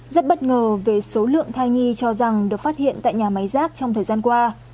rất bất ngờ về số lượng thai nhi cho rằng được phát hiện tại nhà máy rác trong thời gian qua